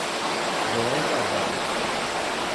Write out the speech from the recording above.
João Carvalho